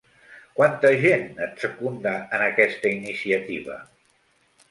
Quanta gent et secunda en aquesta iniciativa?